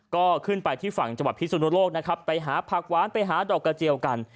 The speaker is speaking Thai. ก็ขึ้นไปที่ฝั่งจังหวัดพิสุนุโลกนะครับไปหาผักหวานไปหาดอกกระเจียวกัน